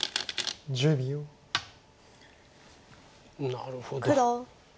なるほど。